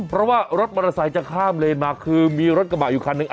เพราะว่ารถมอเตอร์ไซค์จะข้ามเลนมาคือมีรถกระบะอยู่คันหนึ่ง